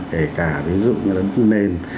kể cả ví dụ như là đất nền